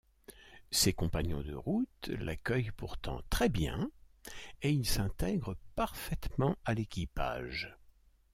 Ses compagnons de route l'accueillent pourtant très bien et il s'intègre parfaitement à l'équipage.